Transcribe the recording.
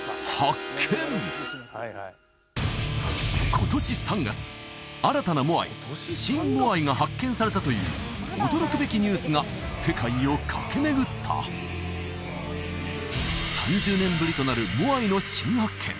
今年３月新たなモアイシン・モアイが発見されたという驚くべきニュースが世界を駆け巡った３０年ぶりとなるモアイの新発見！